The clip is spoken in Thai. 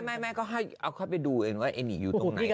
แม่ก็เอาเข้าไปดูเองว่าเอนิอยู่ตรงไหน